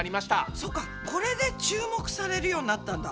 そっかこれで注目されるようになったんだ。